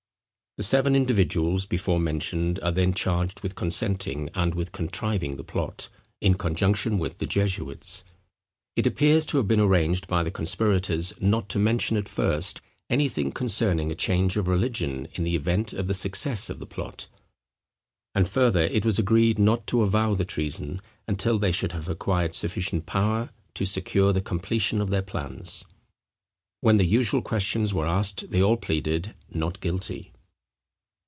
The seven individuals before mentioned are then charged with consenting, and with contriving the plot, in conjunction with the jesuits. It appears to have been arranged by the conspirators, not to mention at first anything concerning a change of religion in the event of the success of the plot: and further, it was agreed not to avow the treason, until they should have acquired sufficient power to secure the completion of their plans. When the usual questions were asked they all pleaded Not Guilty.